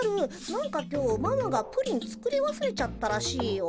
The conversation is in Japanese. なんか今日ママがプリン作りわすれちゃったらしいよ。